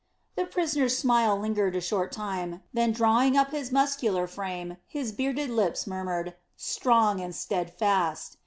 The prisoner's smile lingered a short time, then drawing up his muscular frame, his bearded lips murmured: "Strong and steadfast!"